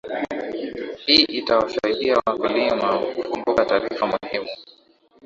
hii itawasaidia wakulima kukumbuka taarifa muhimu